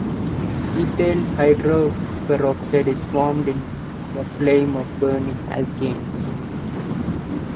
Ethyl hydroperoxide is formed in the flame of burning alkanes.